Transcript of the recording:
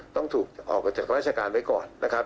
ต้องถูกออกจากราชการไว้ก่อนนะครับ